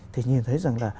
thì nhìn thấy rằng là